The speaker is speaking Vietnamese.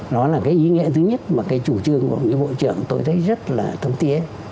đó là cái ý nghĩa thứ nhất mà cái chủ trương của ông chí bộ trưởng tôi thấy rất là tâm tía